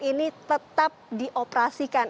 dan ini tetap dioperasikan